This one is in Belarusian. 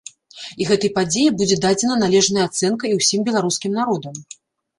І гэтай падзеі будзе дадзена належная ацэнка і ўсім беларускім народам.